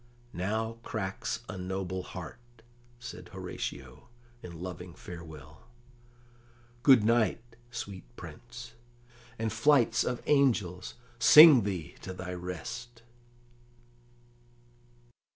"Now cracks a noble heart," said Horatio in loving farewell. "Good night, sweet Prince; and flights of angels sing thee to thy rest!"